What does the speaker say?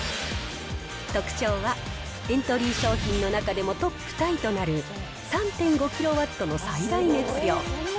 特徴はエントリー商品の中でもトップタイとなる３．５キロワットの最大熱量。